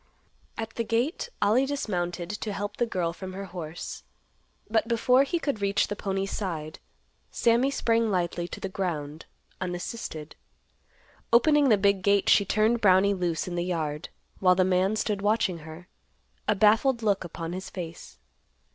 At the gate, Ollie dismounted to help the girl from her horse. But before he could reach the pony's side, Sammy sprang lightly to the ground, unassisted. Opening the big gate, she turned Brownie loose in the yard, while the man stood watching her, a baffled look upon his face.